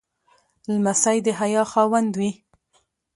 لمسی د حیا خاوند وي.